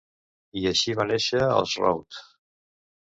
I així va néixer el "Shroud".